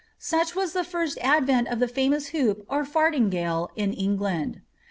Such was the first advent of the famous hoop or fardiugi Enghmd.